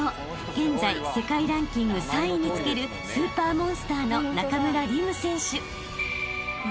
現在世界ランキング３位につけるスーパーモンスターの］